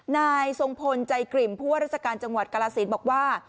นายทรงพลใจกริ่มผู้ว่าราชการจังหวัดกรสินบอกว่า